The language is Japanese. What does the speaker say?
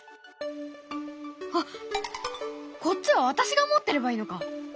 あっこっちは私が持ってればいいのか！